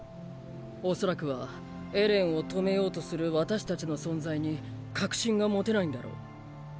おそらくはエレンを止めようとする私たちの存在に確信が持てないんだろう。